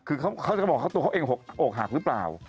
คือเขาจะบอกตัวเขาเองออกหักรึเปล่า